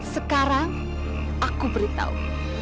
sekarang aku beritahu